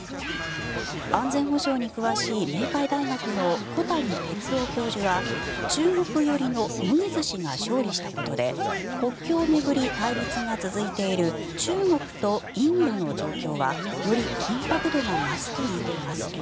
安全保障に詳しい明海大学の小谷哲男教授は中国寄りのムイズ氏が勝利したことで国境を巡り対立が続いている中国とインドの状況はより緊迫度が増すと見ています。